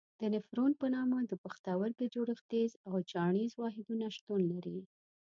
د نفرون په نامه د پښتورګي جوړښتیز او چاڼیز واحدونه شتون لري.